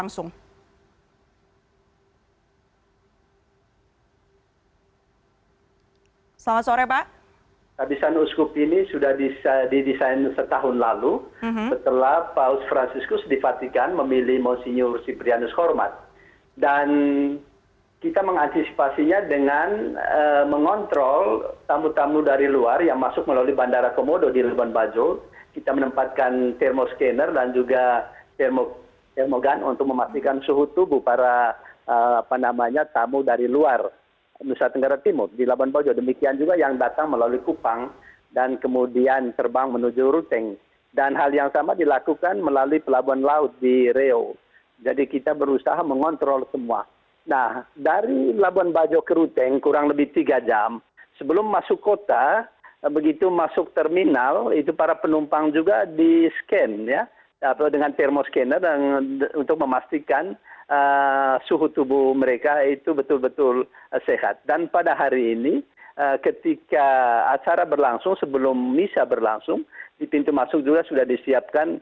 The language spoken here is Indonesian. sudah lama sehingga proses pengurusan administrasi gereja wi agak terganggu karena belum ada uskup